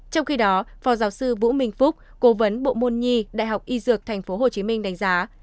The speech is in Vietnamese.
trong khi đó phó giáo sư vũ minh phúc cố vấn bộ môn nhi đại học y dược tp hcm đánh giá